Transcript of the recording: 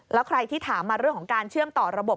แล้วใครที่ถามมาเรื่องของการเชื่อมต่อระบบ